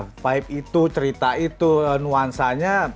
nah vibe itu cerita itu nuansanya